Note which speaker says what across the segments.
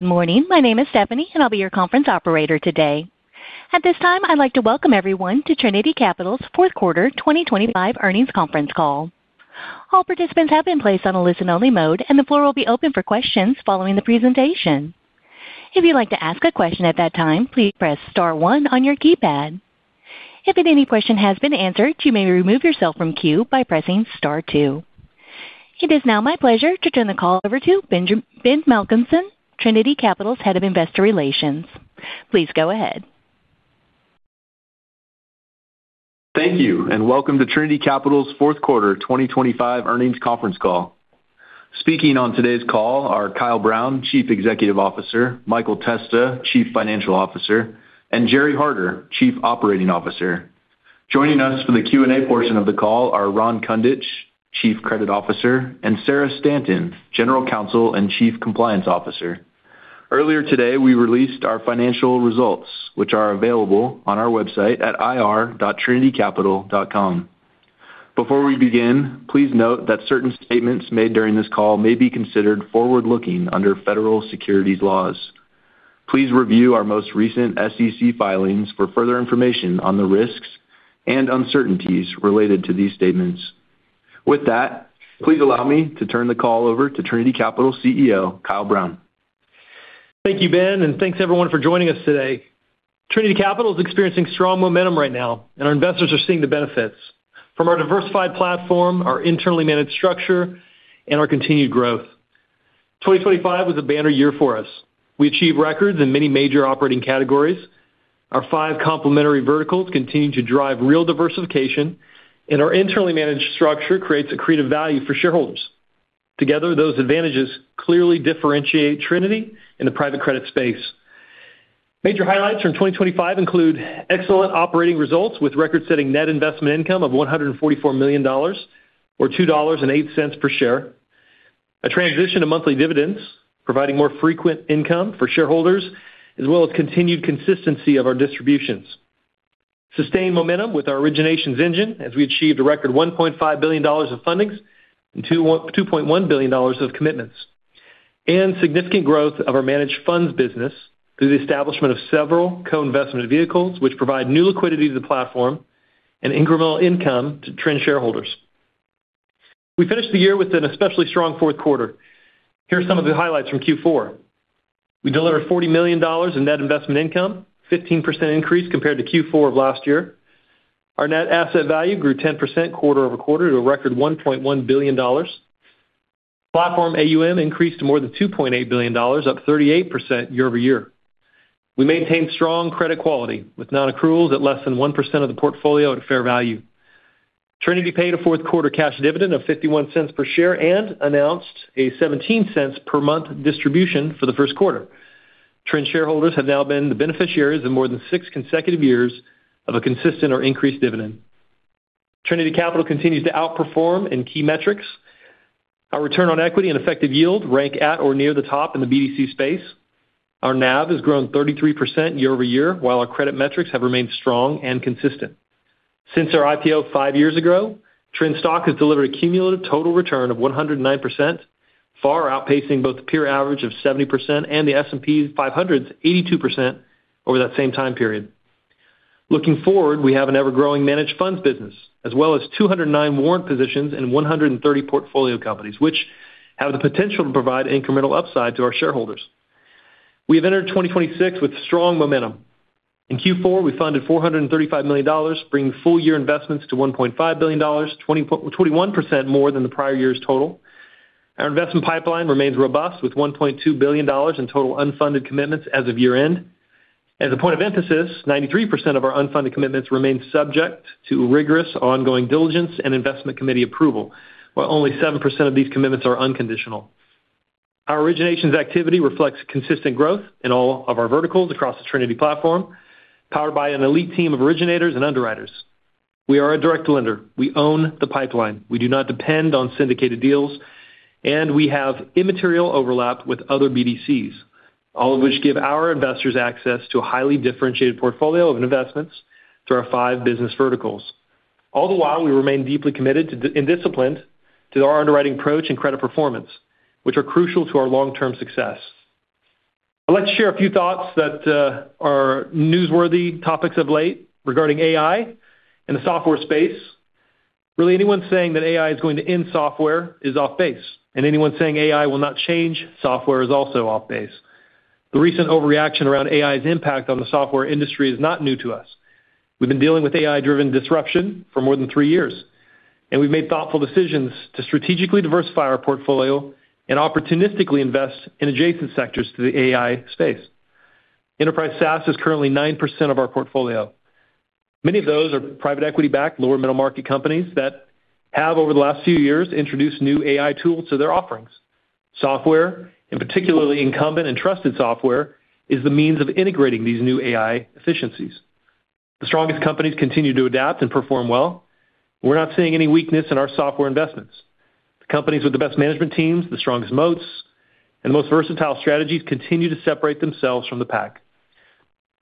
Speaker 1: Good morning. My name is Stephanie, and I'll be your conference operator today. At this time, I'd like to welcome everyone to Trinity Capital's Fourth Quarter 2025 Earnings Conference Call. All participants have been placed on a listen-only mode, and the floor will be open for questions following the presentation. If you'd like to ask a question at that time, please press star one on your keypad. If at any question has been answered, you may remove yourself from queue by pressing star two. It is now my pleasure to turn the call over to Ben Malcolmson, Trinity Capital's Head of Investor Relations. Please go ahead.
Speaker 2: Thank you, welcome to Trinity Capital's fourth quarter 2025 earnings conference call. Speaking on today's call are Kyle Brown, Chief Executive Officer, Michael Testa, Chief Financial Officer, and Gerry Harder, Chief Operating Officer. Joining us for the Q&A portion of the call are Ron Kundich, Chief Credit Officer, and Sarah Stanton, General Counsel and Chief Compliance Officer. Earlier today, we released our financial results, which are available on our website at ir.trinitycapital.com. Before we begin, please note that certain statements made during this call may be considered forward-looking under federal securities laws. Please review our most recent SEC filings for further information on the risks and uncertainties related to these statements. With that, please allow me to turn the call over to Trinity Capital CEO, Kyle Brown.
Speaker 3: Thank you, Ben, and thanks, everyone, for joining us today. Trinity Capital is experiencing strong momentum right now, and our investors are seeing the benefits from our diversified platform, our internally managed structure, and our continued growth. 2025 was a banner year for us. We achieved records in many major operating categories. Our five complementary verticals continue to drive real diversification, and our internally managed structure creates accretive value for shareholders. Together, those advantages clearly differentiate Trinity in the private credit space. Major highlights from 2025 include excellent operating results with record-setting net investment income of $144 million or $2.08 per share. A transition to monthly dividends, providing more frequent income for shareholders, as well as continued consistency of our distributions. Sustained momentum with our originations engine, as we achieved a record $1.5 billion of fundings and $2.1 billion of commitments. Significant growth of our managed funds business through the establishment of several co-investment vehicles, which provide new liquidity to the platform and incremental income to TRIN shareholders. We finished the year with an especially strong fourth quarter. Here are some of the highlights from Q4. We delivered $40 million in net investment income, 15% increase compared to Q4 of last year. Our net asset value grew 10% quarter-over-quarter to a record $1.1 billion. Platform AUM increased to more than $2.8 billion, up 38% year-over-year. We maintained strong credit quality, with non-accruals at less than 1% of the portfolio at a fair value. Trinity paid a fourth quarter cash dividend of $0.51 per share and announced a $0.17 per month distribution for the first quarter. TRIN shareholders have now been the beneficiaries of more than 6 consecutive years of a consistent or increased dividend. Trinity Capital continues to outperform in key metrics. Our return on equity and effective yield rank at or near the top in the BDC space. Our NAV has grown 33% year-over-year, while our credit metrics have remained strong and consistent. Since our IPO five years ago, TRIN stock has delivered a cumulative total return of 109%, far outpacing both the peer average of 70% and the S&P 500's 82% over that same time period. Looking forward, we have an ever-growing managed funds business, as well as 209 warrant positions in 130 portfolio companies, which have the potential to provide incremental upside to our shareholders. We have entered 2026 with strong momentum. In Q4, we funded $435 million, bringing full-year investments to $1.5 billion, 21% more than the prior year's total. Our investment pipeline remains robust, with $1.2 billion in total unfunded commitments as of year-end. As a point of emphasis, 93% of our unfunded commitments remain subject to rigorous ongoing diligence and investment committee approval, while only 7% of these commitments are unconditional. Our originations activity reflects consistent growth in all of our verticals across the Trinity platform, powered by an elite team of originators and underwriters. We are a direct lender. We own the pipeline. We do not depend on syndicated deals, and we have immaterial overlap with other BDCs, all of which give our investors access to a highly differentiated portfolio of investments through our five business verticals. All the while, we remain deeply committed and disciplined to our underwriting approach and credit performance, which are crucial to our long-term success. I'd like to share a few thoughts that are newsworthy topics of late regarding AI in the software space. Really, anyone saying that AI is going to end software is off base, and anyone saying AI will not change software is also off base. The recent overreaction around AI's impact on the software industry is not new to us. We've been dealing with AI-driven disruption for more than three years, and we've made thoughtful decisions to strategically diversify our portfolio and opportunistically invest in adjacent sectors to the AI space. Enterprise SaaS is currently 9% of our portfolio. Many of those are private equity-backed, lower middle-market companies that have, over the last few years, introduced new AI tools to their offerings. Software, and particularly incumbent and trusted software, is the means of integrating these new AI efficiencies. The strongest companies continue to adapt and perform well. We're not seeing any weakness in our software investments. The companies with the best management teams, the strongest moats, and the most versatile strategies continue to separate themselves from the pack....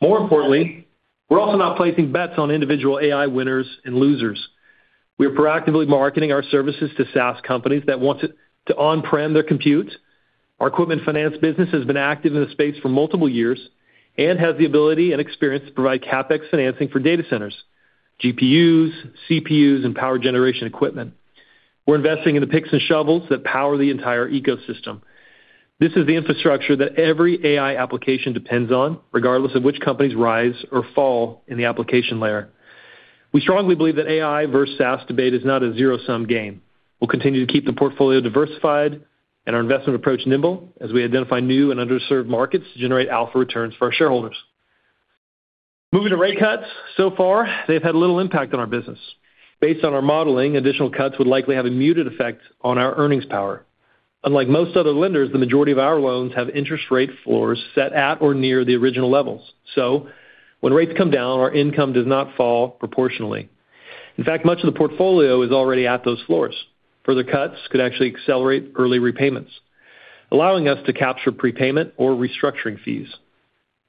Speaker 3: More importantly, we're also not placing bets on individual AI winners and losers. We are proactively marketing our services to SaaS companies that want to on-prem their compute. Our equipment finance business has been active in the space for multiple years and has the ability and experience to provide CapEx financing for data centers, GPUs, CPUs, and power generation equipment. We're investing in the picks and shovels that power the entire ecosystem. This is the infrastructure that every AI application depends on, regardless of which companies rise or fall in the application layer. We strongly believe that AI versus SaaS debate is not a zero-sum game. We'll continue to keep the portfolio diversified and our investment approach nimble as we identify new and underserved markets to generate alpha returns for our shareholders. Moving to rate cuts. So far, they've had little impact on our business. Based on our modeling, additional cuts would likely have a muted effect on our earnings power. Unlike most other lenders, the majority of our loans have interest rate floors set at or near the original levels. When rates come down, our income does not fall proportionally. In fact, much of the portfolio is already at those floors. Further cuts could actually accelerate early repayments, allowing us to capture prepayment or restructuring fees.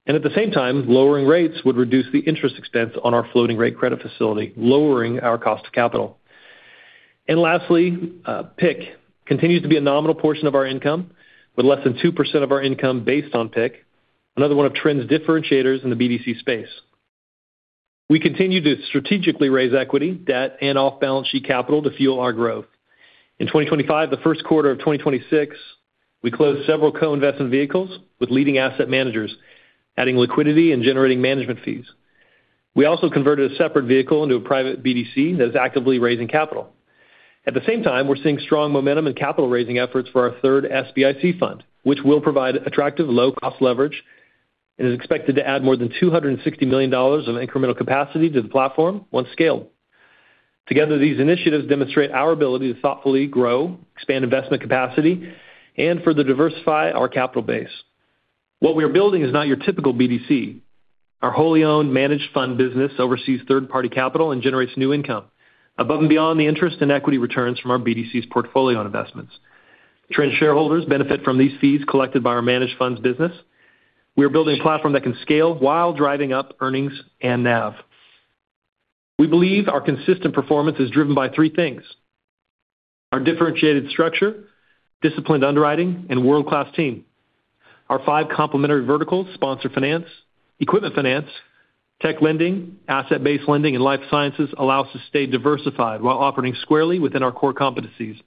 Speaker 3: At the same time, lowering rates would reduce the interest expense on our floating-rate credit facility, lowering our cost of capital. Lastly, PIK continues to be a nominal portion of our income, with less than 2% of our income based on PIK, another one of Trinity's differentiators in the BDC space. We continue to strategically raise equity, debt, and off-balance sheet capital to fuel our growth. In 2025, the first quarter of 2026, we closed several co-investment vehicles with leading asset managers, adding liquidity and generating management fees. We also converted a separate vehicle into a private BDC that is actively raising capital. The same time, we're seeing strong momentum in capital-raising efforts for our third SBIC fund, which will provide attractive, low-cost leverage and is expected to add more than $260 million of incremental capacity to the platform once scaled. Together, these initiatives demonstrate our ability to thoughtfully grow, expand investment capacity, and further diversify our capital base. What we are building is not your typical BDC. Our wholly owned managed fund business oversees third-party capital and generates new income above and beyond the interest and equity returns from our BDC's portfolio and investments. TRIN shareholders benefit from these fees collected by our managed funds business. We are building a platform that can scale while driving up earnings and NAV. We believe our consistent performance is driven by three things: our differentiated structure, disciplined underwriting, and world-class team. Our five complementary verticals, sponsor finance, equipment finance, tech lending, asset-based lending, and life sciences, allow us to stay diversified while operating squarely within our core competencies.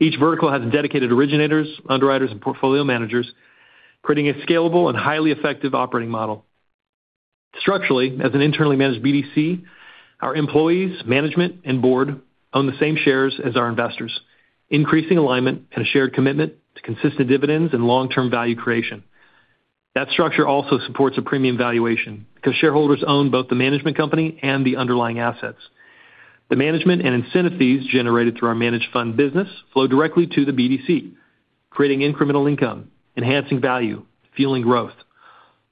Speaker 3: Each vertical has dedicated originators, underwriters, and portfolio managers, creating a scalable and highly effective operating model. Structurally, as an internally managed BDC, our employees, management, and board own the same shares as our investors, increasing alignment and a shared commitment to consistent dividends and long-term value creation. That structure also supports a premium valuation because shareholders own both the management company and the underlying assets. The management and incentive fees generated through our managed fund business flow directly to the BDC, creating incremental income, enhancing value, fueling growth,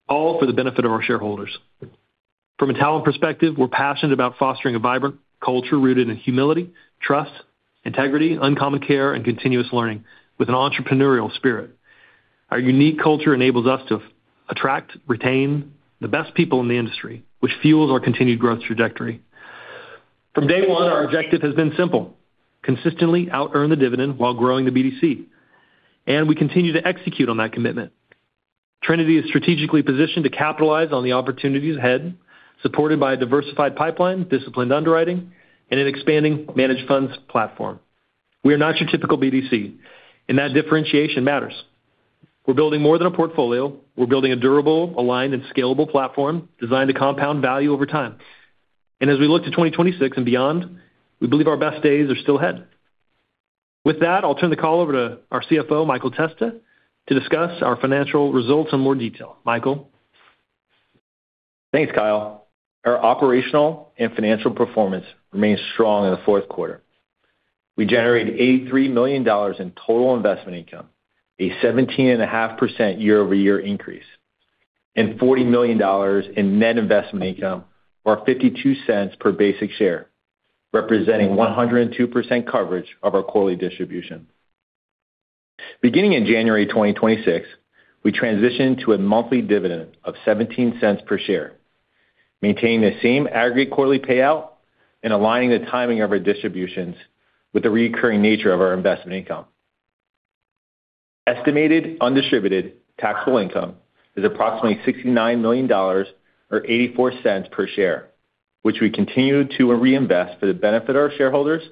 Speaker 3: all for the benefit of our shareholders. From a talent perspective, we're passionate about fostering a vibrant culture rooted in humility, trust, integrity, uncommon care, and continuous learning with an entrepreneurial spirit. Our unique culture enables us to attract, retain the best people in the industry, which fuels our continued growth trajectory. From day one, our objective has been simple: consistently outearn the dividend while growing the BDC, and we continue to execute on that commitment. Trinity Capital is strategically positioned to capitalize on the opportunities ahead, supported by a diversified pipeline, disciplined underwriting, and an expanding managed funds platform. We are not your typical BDC, and that differentiation matters. We're building more than a portfolio. We're building a durable, aligned, and scalable platform designed to compound value over time. As we look to 2026 and beyond, we believe our best days are still ahead. With that, I'll turn the call over to our CFO, Michael Testa, to discuss our financial results in more detail. Michael?
Speaker 4: Thanks, Kyle. Our operational and financial performance remained strong in the fourth quarter. We generated $83 million in total investment income, a 17.5% year-over-year increase, and $40 million in net investment income, or $0.52 per basic share, representing 102% coverage of our quarterly distribution. Beginning in January 2026, we transitioned to a monthly dividend of $0.17 per share, maintaining the same aggregate quarterly payout and aligning the timing of our distributions with the recurring nature of our investment income. Estimated undistributed taxable income is approximately $69 million, or $0.84 per share, which we continue to reinvest for the benefit of our shareholders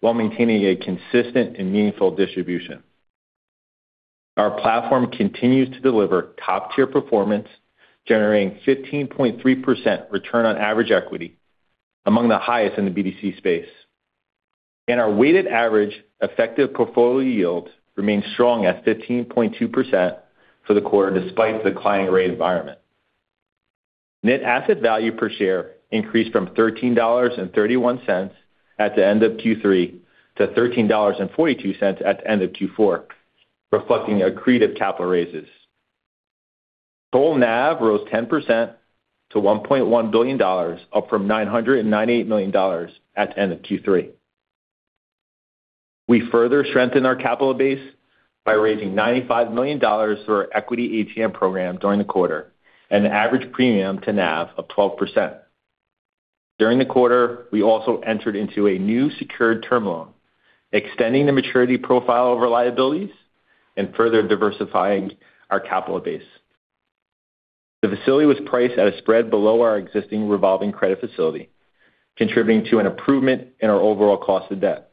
Speaker 4: while maintaining a consistent and meaningful distribution. Our platform continues to deliver top-tier performance, generating 15.3% return on average equity, among the highest in the BDC space. Our weighted average effective portfolio yield remains strong at 15.2% for the quarter, despite the declining rate environment. Net Asset Value per share increased from $13.31 at the end of Q3 to $13.42 at the end of Q4, reflecting accretive capital raises. Total NAV rose 10% to $1.1 billion, up from $998 million at the end of Q3. We further strengthened our capital base by raising $95 million through our equity ATM program during the quarter and an average premium to NAV of 12%. During the quarter, we also entered into a new secured term loan, extending the maturity profile of our liabilities and further diversifying our capital base. The facility was priced at a spread below our existing revolving credit facility, contributing to an improvement in our overall cost of debt.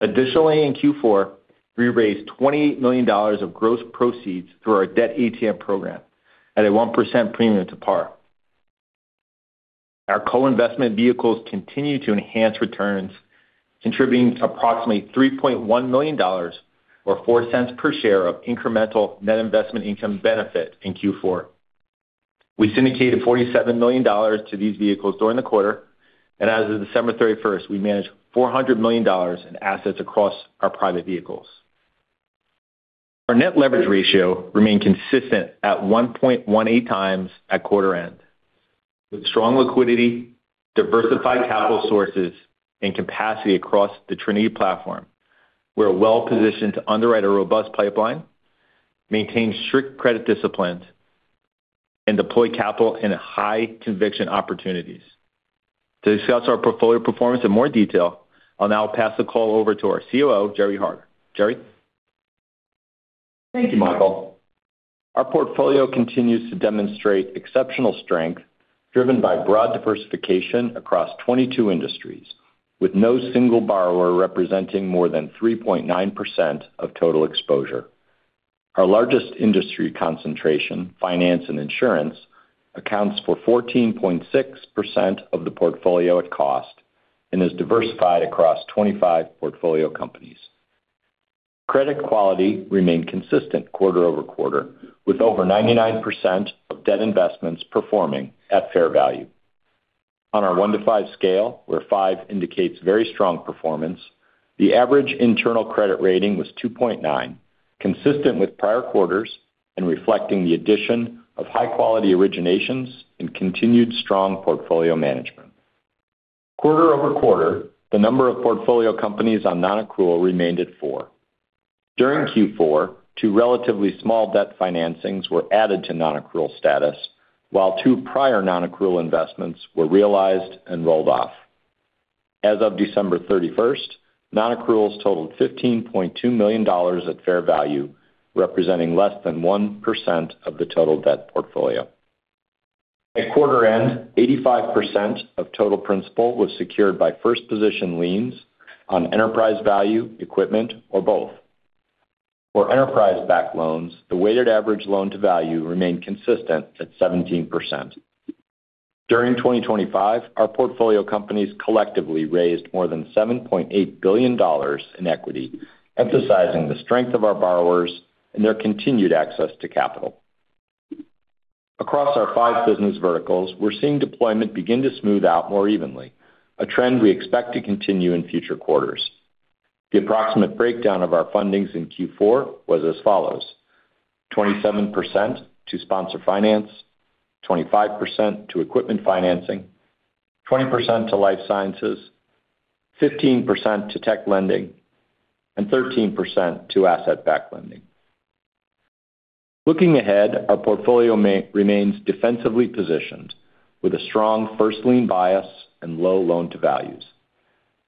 Speaker 4: Additionally, in Q4, we raised $20 million of gross proceeds through our debt ATM program at a 1% premium to par. Our co-investment vehicles continue to enhance returns, contributing approximately $3.1 million or $0.04 per share of incremental net investment income benefit in Q4. We syndicated $47 million to these vehicles during the quarter, and as of December 31st, we managed $400 million in assets across our private vehicles. Our net leverage ratio remained consistent at 1.18x at quarter end. With strong liquidity, diversified capital sources, and capacity across the Trinity platform, we're well positioned to underwrite a robust pipeline, maintain strict credit disciplines, and deploy capital in high conviction opportunities. To discuss our portfolio performance in more detail, I'll now pass the call over to our COO, Gerry Harder. Gerry?
Speaker 5: Thank you, Michael. Our portfolio continues to demonstrate exceptional strength, driven by broad diversification across 22 industries, with no single borrower representing more than 3.9% of total exposure. Our largest industry concentration, finance and insurance, accounts for 14.6% of the portfolio at cost and is diversified across 25 portfolio companies. Credit quality remained consistent quarter-over-quarter, with over 99% of debt investments performing at fair value. On our one to five scale, where five indicates very strong performance, the average internal credit rating was 2.9, consistent with prior quarters and reflecting the addition of high-quality originations and continued strong portfolio management. Quarter-over-quarter, the number of portfolio companies on nonaccrual remained at four. During Q4, two relatively small debt financings were added to nonaccrual status, while two prior nonaccrual investments were realized and rolled off. As of December 31st, nonaccruals totaled $15.2 million at fair value, representing less than 1% of the total debt portfolio. At quarter end, 85% of total principal was secured by first position liens on enterprise value, equipment, or both. For enterprise-backed loans, the weighted average loan to value remained consistent at 17%. During 2025, our portfolio companies collectively raised more than $7.8 billion in equity, emphasizing the strength of our borrowers and their continued access to capital. Across our five business verticals, we're seeing deployment begin to smooth out more evenly, a trend we expect to continue in future quarters. The approximate breakdown of our fundings in Q4 was as follows: 27% to sponsor finance, 25% to equipment financing, 20% to life sciences, 15% to tech lending, and 13% to asset-backed lending. Looking ahead, our portfolio remains defensively positioned with a strong first lien bias and low loan to values.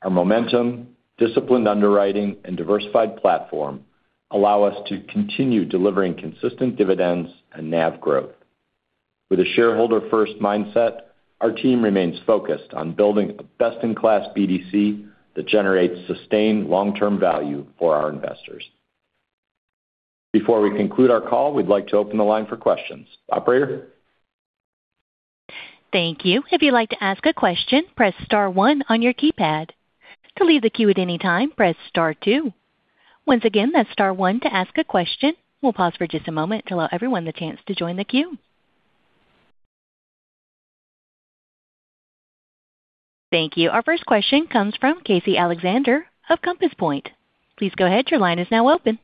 Speaker 5: Our momentum, disciplined underwriting, and diversified platform allow us to continue delivering consistent dividends and NAV growth. With a shareholder-first mindset, our team remains focused on building a best-in-class BDC that generates sustained long-term value for our investors. Before we conclude our call, we'd like to open the line for questions. Operator?
Speaker 1: Thank you. If you'd like to ask a question, press star one on your keypad. To leave the queue at any time, press star two. Once again, that's star one to ask a question. We'll pause for just a moment to allow everyone the chance to join the queue. Thank you. Our first question comes from Casey Alexander of Compass Point. Please go ahead. Your line is now open.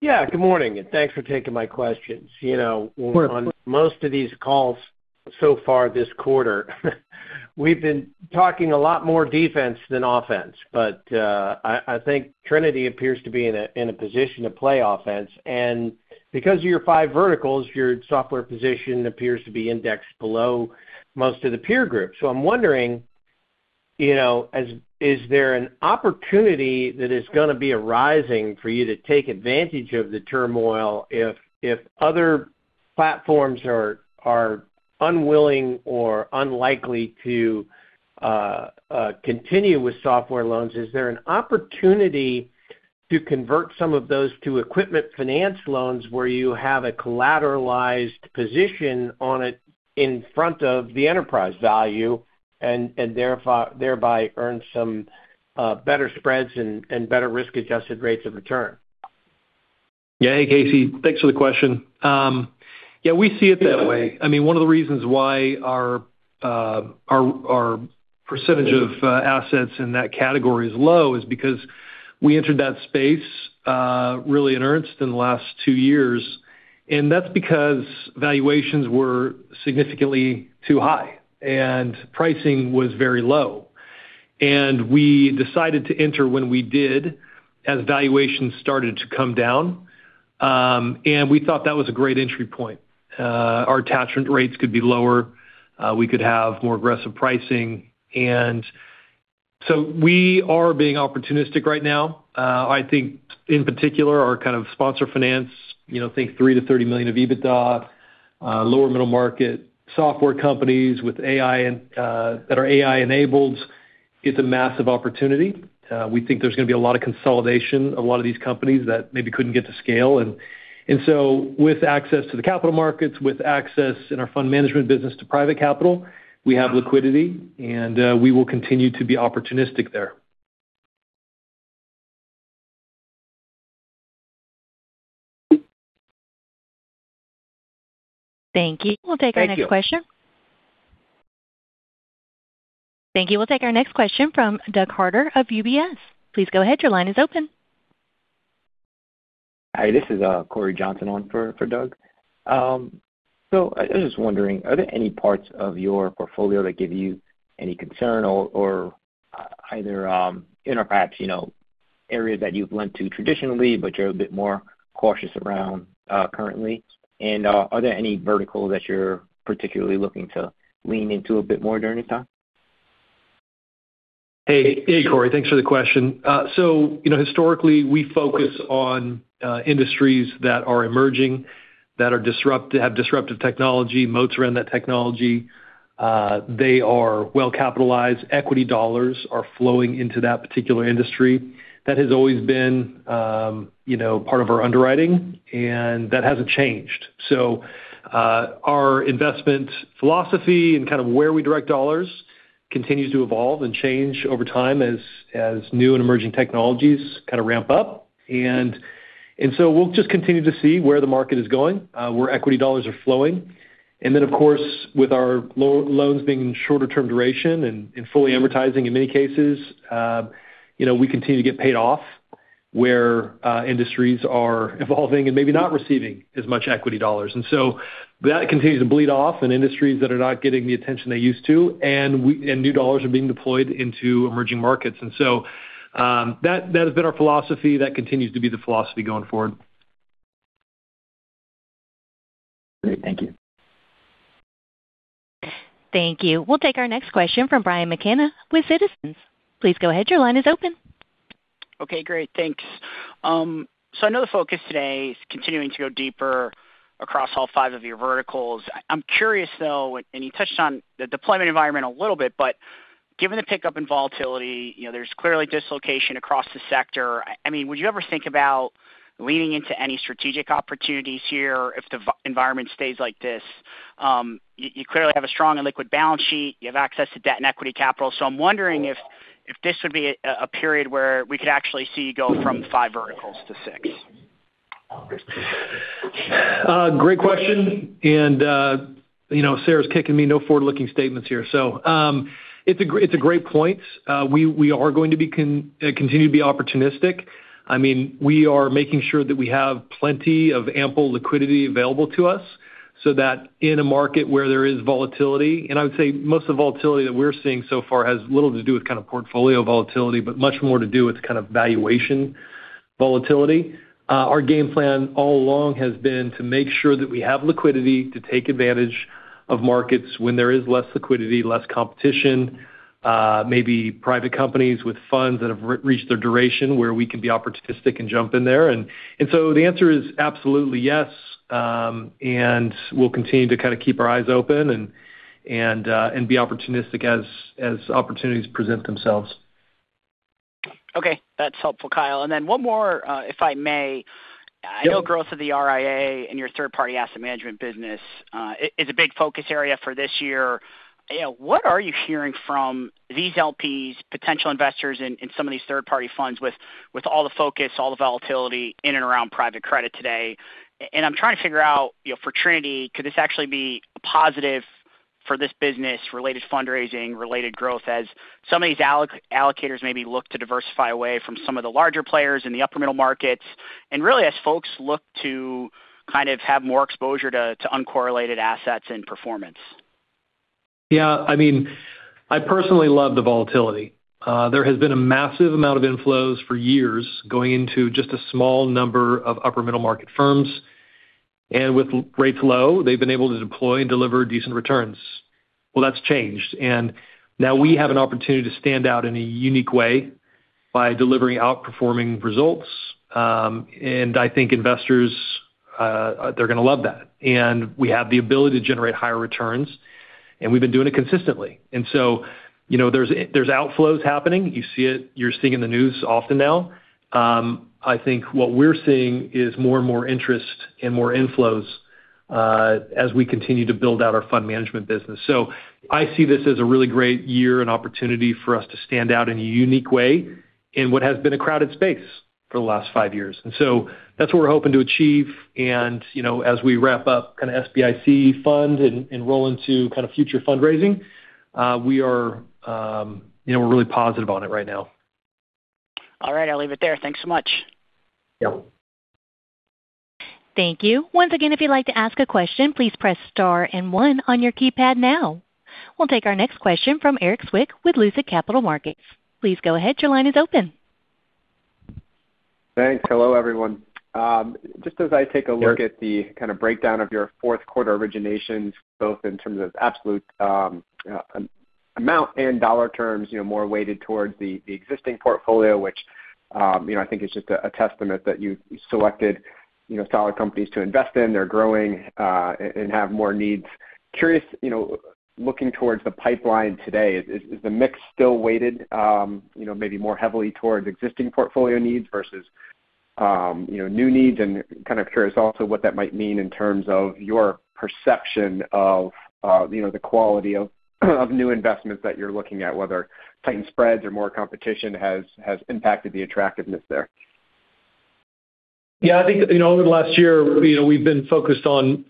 Speaker 6: Yeah, good morning, and thanks for taking my questions. You know, on most of these calls so far this quarter, we've been talking a lot more defense than offense. I think Trinity appears to be in a position to play offense. Because of your 5 verticals, your software position appears to be indexed below most of the peer groups. I'm wondering, you know, is there an opportunity that is going to be arising for you to take advantage of the turmoil if other platforms are unwilling or unlikely to continue with software loans? Is there an opportunity to convert some of those to equipment finance loans, where you have a collateralized position on it in front of the enterprise value and thereby earn some better spreads and better risk-adjusted rates of return?
Speaker 3: Yeah. Hey, Casey, thanks for the question. Yeah, we see it that way. I mean, one of the reasons why our percentage of assets in that category is low is because. We entered that space, really in earnest in the last two years. That's because valuations were significantly too high and pricing was very low. We decided to enter when we did, as valuations started to come down. We thought that was a great entry point. Our attachment rates could be lower, we could have more aggressive pricing. We are being opportunistic right now. I think in particular, our kind of sponsor finance, you know, think 3 million-30 million of EBITDA, lower middle market software companies with AI, that are AI-enabled, it's a massive opportunity. We think there's going to be a lot of consolidation, a lot of these companies that maybe couldn't get to scale. With access to the capital markets, with access in our fund management business to private capital, we have liquidity, and we will continue to be opportunistic there.
Speaker 6: Thank you.
Speaker 3: Thank you.
Speaker 1: We'll take our next question. Thank you. We'll take our next question from Doug Harter of UBS. Please go ahead. Your line is open.
Speaker 7: Hi, this is Corey Johnson on for Doug. I was just wondering, are there any parts of your portfolio that give you any concern or either, you know, perhaps, you know, areas that you've lent to traditionally but you're a bit more cautious around, currently? Are there any verticals that you're particularly looking to lean into a bit more during this time?
Speaker 3: Hey, hey, Corey. Thanks for the question. You know, historically, we focus on industries that are emerging, that have disruptive technology, moats around that technology. They are well capitalized. Equity dollars are flowing into that particular industry. That has always been, you know, part of our underwriting, and that hasn't changed. Our investment philosophy and kind of where we direct dollars continues to evolve and change over time as new and emerging technologies kind of ramp up. We'll just continue to see where the market is going, where equity dollars are flowing. Of course, with our loans being shorter term duration and fully advertising in many cases, you know, we continue to get paid off where industries are evolving and maybe not receiving as much equity dollars. That continues to bleed off in industries that are not getting the attention they used to, and new dollars are being deployed into emerging markets. That has been our philosophy. That continues to be the philosophy going forward.
Speaker 7: Great. Thank you.
Speaker 1: Thank you. We'll take our next question from Brian McKenna with Citizens. Please go ahead. Your line is open.
Speaker 8: Okay, great. Thanks. I know the focus today is continuing to go deeper across all five of your verticals. I'm curious, though, and you touched on the deployment environment a little bit, but given the pickup in volatility, you know, there's clearly dislocation across the sector. I mean, would you ever think about leaning into any strategic opportunities here if the environment stays like this? You clearly have a strong and liquid balance sheet. You have access to debt and equity capital. I'm wondering if this would be a period where we could actually see you go from five verticals to six.
Speaker 3: Great question, you know, Sarah's kicking me, no forward-looking statements here. It's a great point. We are going to continue to be opportunistic. I mean, we are making sure that we have plenty of ample liquidity available to us, so that in a market where there is volatility, and I would say most of the volatility that we're seeing so far has little to do with kind of portfolio volatility, but much more to do with kind of valuation volatility. Our game plan all along has been to make sure that we have liquidity to take advantage of markets when there is less liquidity, less competition, maybe private companies with funds that have reached their duration, where we can be opportunistic and jump in there. The answer is absolutely yes, and we'll continue to kind of keep our eyes open and be opportunistic as opportunities present themselves.
Speaker 8: Okay. That's helpful, Kyle. And then one more, if I may.
Speaker 3: Yep.
Speaker 8: I know growth of the RIA and your third-party asset management business is a big focus area for this year. You know, what are you hearing from these LPs, potential investors in some of these third-party funds with all the focus, all the volatility in and around private credit today? I'm trying to figure out, you know, for Trinity, could this actually be a positive for this business, related fundraising, related growth, as some of these allocators maybe look to diversify away from some of the larger players in the upper middle markets, and really as folks look to kind of have more exposure to uncorrelated assets and performance?
Speaker 3: Yeah, I mean, I personally love the volatility. There has been a massive amount of inflows for years going into just a small number of upper middle-market firms, and with rates low, they've been able to deploy and deliver decent returns. Well, that's changed, and now we have an opportunity to stand out in a unique way by delivering outperforming results. I think investors, they're going to love that. We have the ability to generate higher returns, and we've been doing it consistently. You know, there's outflows happening. You see it, you're seeing in the news often now. I think what we're seeing is more and more interest and more inflows, as we continue to build out our fund management business. I see this as a really great year and opportunity for us to stand out in a unique way in what has been a crowded space for the last five years. That's what we're hoping to achieve. You know, as we wrap up kind of SBIC fund and roll into kind of future fundraising, we are, you know, we're really positive on it right now.
Speaker 8: All right, I'll leave it there. Thanks so much.
Speaker 3: Yep.
Speaker 1: Thank you. Once again, if you'd like to ask a question, please press Star and One on your keypad now. We'll take our next question from Erik Zwick with Lucid Capital Markets. Please go ahead. Your line is open.
Speaker 9: Thanks. Hello, everyone. Just as I take a look at the kind of breakdown of your fourth quarter originations, both in terms of absolute amount and dollar terms, you know, more weighted towards the existing portfolio, which, you know, I think is just a testament that you selected, you know, solid companies to invest in. They're growing, and have more needs. Curious, you know, looking towards the pipeline today, is the mix still weighted, you know, maybe more heavily towards existing portfolio needs versus, you know, new needs? Kind of curious also what that might mean in terms of your perception of, you know, the quality of new investments that you're looking at, whether tightened spreads or more competition has impacted the attractiveness there.
Speaker 3: Yeah, I think, you know, over the last year, you know, we've been focused on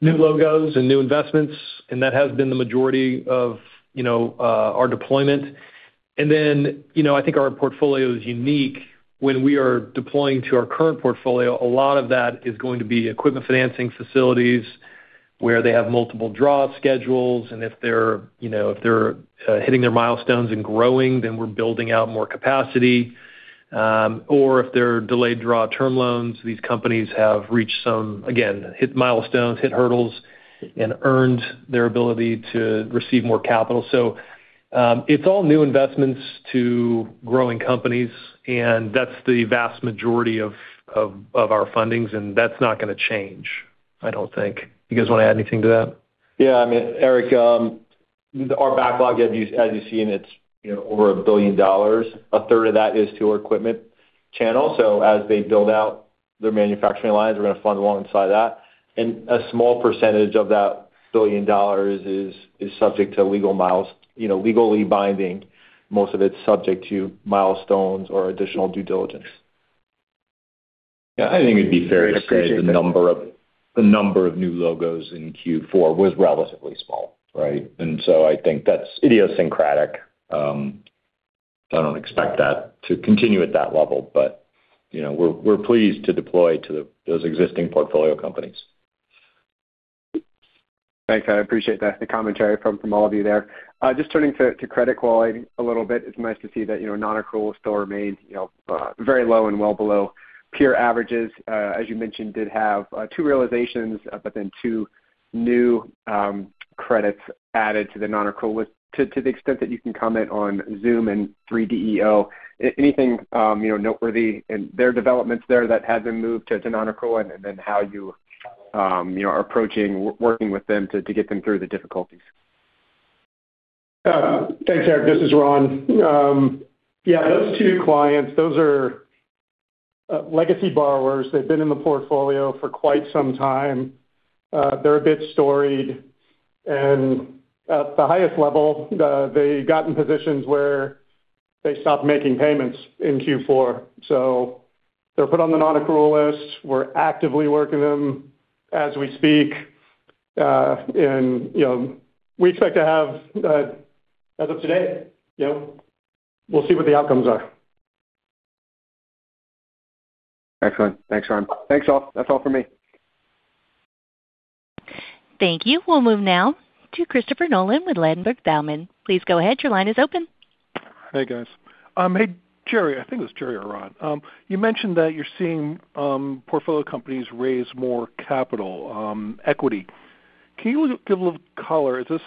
Speaker 3: new logos and new investments, and that has been the majority of, you know, our deployment. Then, you know, I think our portfolio is unique. When we are deploying to our current portfolio, a lot of that is going to be equipment financing facilities, where they have multiple draw schedules, and if they're, you know, if they're hitting their milestones and growing, then we're building out more capacity. Or if they're delayed draw term loans, these companies have hit milestones, hit hurdles, and earned their ability to receive more capital. It's all new investments to growing companies, and that's the vast majority of our fundings, and that's not going to change, I don't think. You guys want to add anything to that?
Speaker 10: I mean, Erik, our backlog, as you, as you've seen, it's, you know, over $1 billion. A third of that is to our equipment channel. As they build out their manufacturing lines, we're going to fund alongside that. A small percentage of that $1 billion is subject to you know, legally binding. Most of it's subject to milestones or additional due diligence.
Speaker 5: Yeah, I think it'd be fair to say the number of new logos in Q4 was relatively small, right? I think that's idiosyncratic. I don't expect that to continue at that level, but, you know, we're pleased to deploy to those existing portfolio companies.
Speaker 9: Thanks. I appreciate that, the commentary from all of you there. Just turning to credit quality a little bit, it's nice to see that, you know, non-accrual still remains, you know, very low and well below peer averages. As you mentioned, did have two realizations, but then two new credits added to the non-accrual list. To the extent that you can comment on Zoom and 3DEO, anything, you know, noteworthy in their developments there that had them moved to non-accrual, and then how you know, are approaching working with them to get them through the difficulties?
Speaker 10: Thanks, Erik. This is Ron. Yeah, those two clients, those are legacy borrowers. They've been in the portfolio for quite some time. They're a bit storied, and at the highest level, they got in positions where they stopped making payments in Q4. They're put on the non-accrual list. We're actively working them as we speak, and, you know, we expect to have, as of today, you know, we'll see what the outcomes are.
Speaker 9: Excellent. Thanks, Ron. Thanks, all. That's all for me.
Speaker 1: Thank you. We'll move now to Christopher Nolan with Ladenburg Thalmann. Please go ahead. Your line is open.
Speaker 11: Hey, guys. Hey, Gerry. I think it was Gerry or Ron. You mentioned that you're seeing portfolio companies raise more capital, equity. Can you give a little color? Is this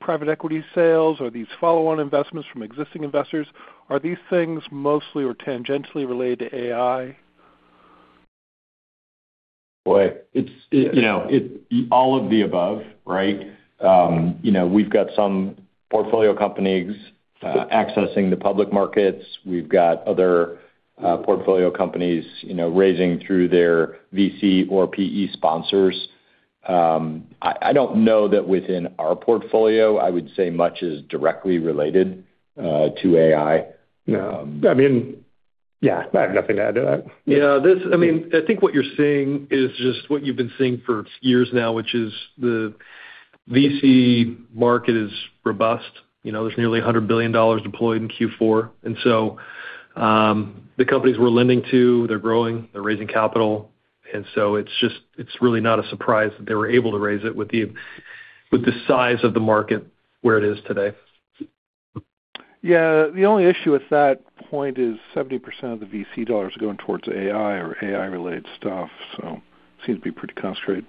Speaker 11: private equity sales, or are these follow-on investments from existing investors? Are these things mostly or tangentially related to AI?
Speaker 5: Boy, it's, you know, it, all of the above, right? You know, we've got some portfolio companies, accessing the public markets. We've got other, portfolio companies, you know, raising through their VC or PE sponsors. I don't know that within our portfolio, I would say much is directly related, to AI. I have nothing to add to that.
Speaker 3: Yeah, this, I mean, I think what you're seeing is just what you've been seeing for years now, which is the VC market is robust. You know, there's nearly $100 billion deployed in Q4, and so the companies we're lending to, they're growing, they're raising capital, and so it's just, it's really not a surprise that they were able to raise it with the, with the size of the market where it is today.
Speaker 11: Yeah. The only issue with that point is 70% of the VC dollars are going towards AI or AI-related stuff, seems to be pretty concentrated.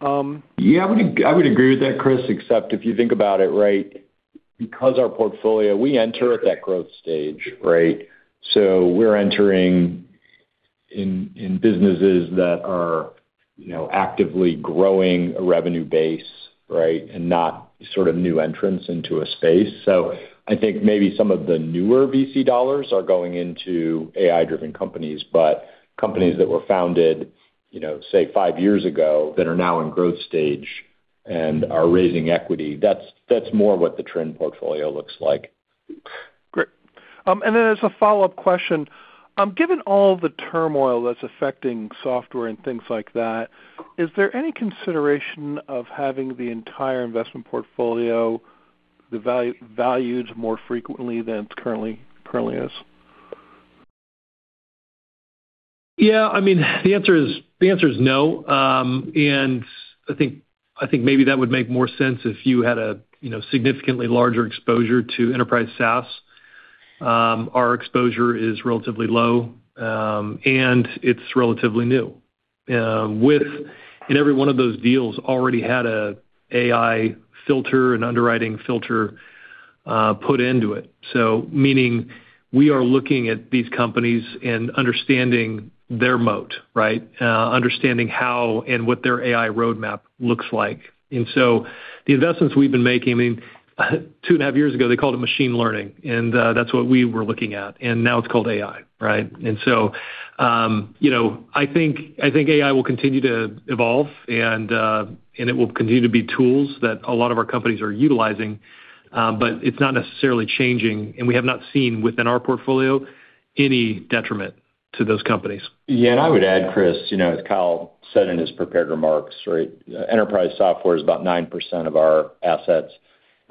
Speaker 5: Yeah, I would agree with that, Chris, except if you think about it, right, because our portfolio, we enter at that growth stage, right? We're entering in businesses that are, you know, actively growing a revenue base, right? Not sort of new entrants into a space. I think maybe some of the newer VC dollars are going into AI-driven companies, but companies that were founded, you know, say, five years ago that are now in growth stage.
Speaker 3: and are raising equity. That's more what the trend portfolio looks like.
Speaker 11: Great. As a follow-up question, given all the turmoil that's affecting software and things like that, is there any consideration of having the entire investment portfolio, the value, valued more frequently than it currently is?
Speaker 3: Yeah, I mean, the answer is no. I think maybe that would make more sense if you had a, you know, significantly larger exposure to enterprise SaaS. Our exposure is relatively low, and it's relatively new. Every one of those deals already had a AI filter, an underwriting filter, put into it. Meaning, we are looking at these companies and understanding their moat, right? Understanding how and what their AI roadmap looks like. The investments we've been making, I mean, two and a half years ago, they called it machine learning, and that's what we were looking at, and now it's called AI, right? You know, I think AI will continue to evolve and it will continue to be tools that a lot of our companies are utilizing, but it's not necessarily changing, and we have not seen within our portfolio any detriment to those companies.
Speaker 5: Yeah, I would add, Chris, you know, as Kyle said in his prepared remarks, right, enterprise software is about 9% of our assets.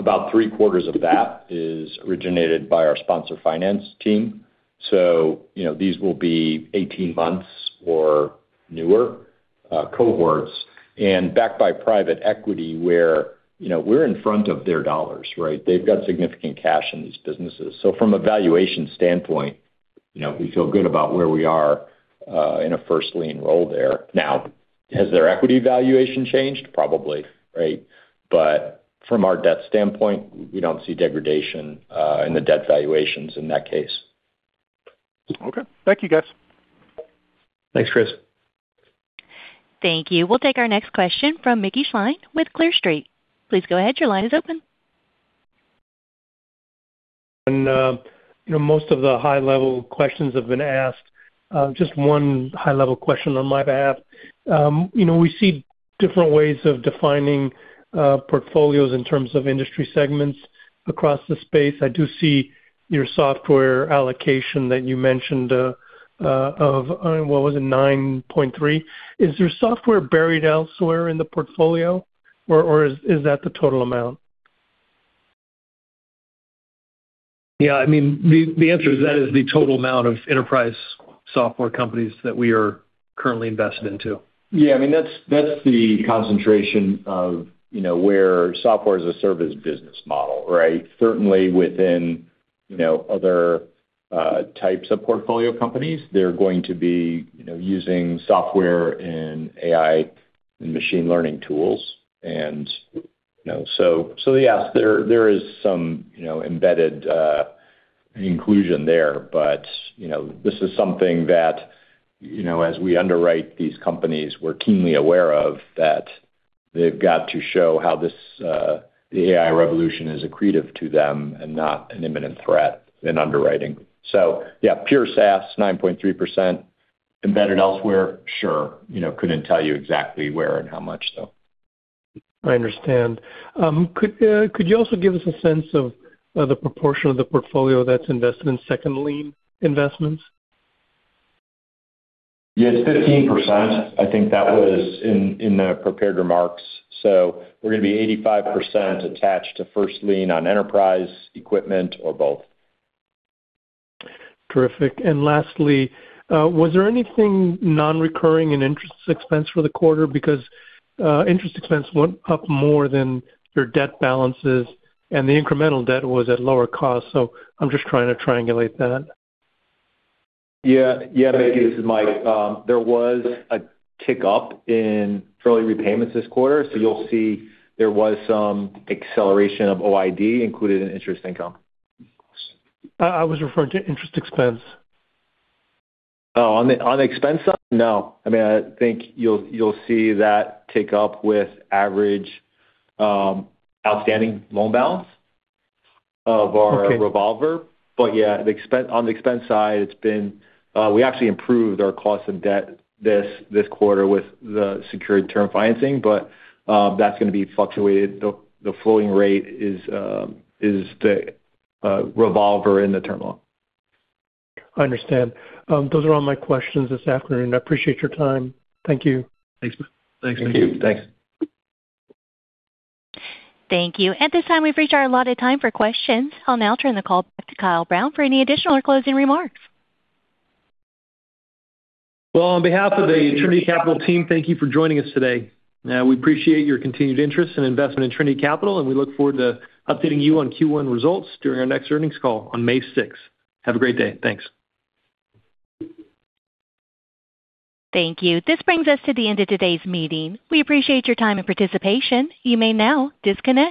Speaker 5: About three-quarters of that is originated by our sponsor finance team. You know, these will be 18 months or newer cohorts and backed by private equity where, you know, we're in front of their dollars, right? They've got significant cash in these businesses. From a valuation standpoint, you know, we feel good about where we are in a first lien role there. Has their equity valuation changed? Probably, right. From our debt standpoint, we don't see degradation in the debt valuations in that case.
Speaker 11: Okay. Thank you, guys.
Speaker 3: Thanks, Chris.
Speaker 1: Thank you. We'll take our next question from Mickey Schleien with Clear Street. Please go ahead. Your line is open.
Speaker 12: You know, most of the high-level questions have been asked. Just one high-level question on my behalf. You know, we see different ways of defining, portfolios in terms of industry segments across the space. I do see your software allocation that you mentioned, of, what was it? 9.3. Is there software buried elsewhere in the portfolio, or is that the total amount?
Speaker 3: Yeah, I mean, the answer is that is the total amount of enterprise software companies that we are currently invested into.
Speaker 5: Yeah, I mean, that's the concentration of, you know, where software as a service business model, right? Certainly within, you know, other types of portfolio companies, they're going to be, you know, using software and AI and machine learning tools, and, you know. Yes, there is some, you know, embedded inclusion there. You know, this is something that, you know, as we underwrite these companies, we're keenly aware of, that they've got to show how this, the AI revolution is accretive to them and not an imminent threat in underwriting. Yeah, pure SaaS, 9.3%. Embedded elsewhere, sure. You know, couldn't tell you exactly where and how much, so.
Speaker 12: I understand. Could you also give us a sense of the proportion of the portfolio that's invested in second lien investments?
Speaker 5: Yes, 15%. I think that was in the prepared remarks. We're going to be 85% attached to first lien on enterprise, equipment or both.
Speaker 12: Terrific. Lastly, was there anything non-recurring in interest expense for the quarter? Because interest expense went up more than your debt balances, and the incremental debt was at lower cost, so I'm just trying to triangulate that.
Speaker 4: Yeah. Yeah, Mickey, this is Mike. There was a tick up in early repayments this quarter, so you'll see there was some acceleration of OID included in interest income.
Speaker 12: I was referring to interest expense.
Speaker 4: on the expense side? No. I mean, I think you'll see that tick up with average outstanding loan balance.
Speaker 12: Okay.
Speaker 4: Revolver. On the expense side, it's been, we actually improved our cost of debt this quarter with the secured term financing, that's going to be fluctuated. The floating rate is the revolver in the term loan.
Speaker 12: I understand. Those are all my questions this afternoon. I appreciate your time. Thank you.
Speaker 5: Thanks, Mickey.
Speaker 3: Thanks.
Speaker 1: Thank you. At this time, we've reached our allotted time for questions. I'll now turn the call back to Kyle Brown for any additional or closing remarks.
Speaker 3: Well, on behalf of the Trinity Capital team, thank you for joining us today. We appreciate your continued interest and investment in Trinity Capital, and we look forward to updating you on Q1 results during our next earnings call on May sixth. Have a great day. Thanks.
Speaker 1: Thank you. This brings us to the end of today's meeting. We appreciate your time and participation. You may now disconnect.